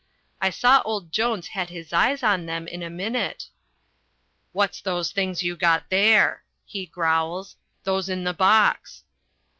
I saw old Jones had his eyes on them in a minute. "What's those things you got there?" he growls, "those in the box?"